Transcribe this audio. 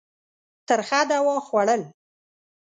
ترخه دوا خوړل.